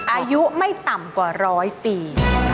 อายุไม่ต่ำกว่าร้อยปี